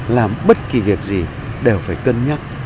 làm bất kỳ việc gì đều phải cân nhắc